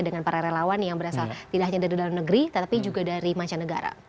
dengan para relawan yang berasal tidak hanya dari dalam negeri tetapi juga dari mancanegara